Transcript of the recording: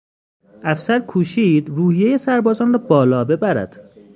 افسر کوشید روحیهی سربازان را بالا ببرد.